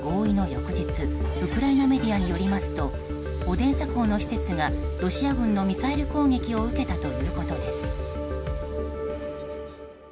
翌日ウクライナメディアによりますとオデーサ港の施設がロシア軍のミサイル攻撃を受けたということです。